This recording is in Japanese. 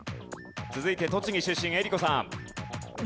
続いて栃木出身江里子さん。